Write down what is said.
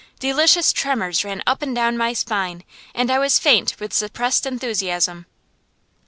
delicious tremors ran up and down my spine, and I was faint with suppressed enthusiasm.